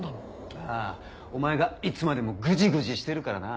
ああお前がいつまでもグジグジしてるからな。